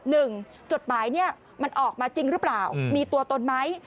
จดหมายเนี่ยมันออกมาจริงหรือเปล่ามีตัวตนไหม